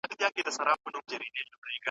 له نورو کلتورونو سره بلد سئ.